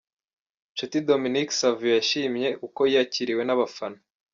Nshuti Dominique Savio yashimye uko yakiriwe n'abafana .